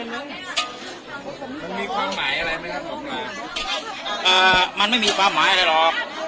มันมีความหมายอะไรไหมครับผมว่ามันไม่มีความหมายอะไรหรอก